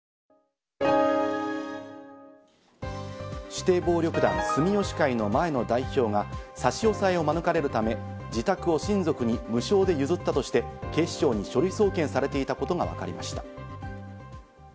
指定暴力団・住吉会の前の代表が差し押さえを免れるため自宅を親族に無償で譲ったとして警視庁に書類送検されていたことがわかりました。